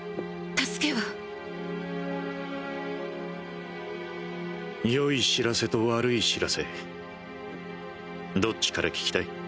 助けはよい知らせと悪い知らせどっちから聞きたい？